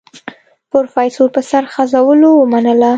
پروفيسر په سر خوځولو ومنله.